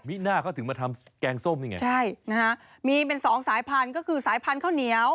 น่าเขาถึงมาทำแกงส้มนี่ไงใช่นะฮะมีเป็นสองสายพันธุ์ก็คือสายพันธุ์ข้าวเหนียว